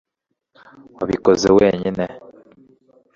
wabikoze wenyine